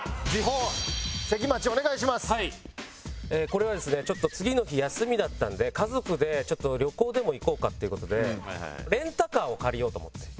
これはですねちょっと次の日休みだったんで家族でちょっと旅行でも行こうかっていう事でレンタカーを借りようと思って。